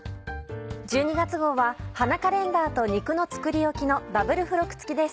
１２月号は花カレンダーと「肉の作りおき」のダブル付録付きです。